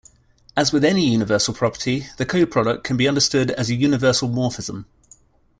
As with any universal property, the coproduct can be understood as a universal morphism.